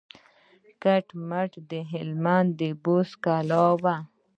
کټ مټ د هلمند د بست کلا وه.